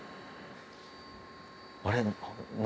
あれ？